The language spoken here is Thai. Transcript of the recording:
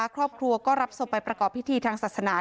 ครอบครัวก็รับศพไปประกอบพิธีทางศาสนา